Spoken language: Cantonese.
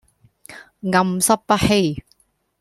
暗室不欺